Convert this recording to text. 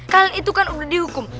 kalian itu kan udah dihukum